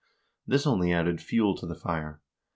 This only added fuel to the fire.